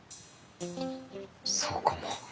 そうかも。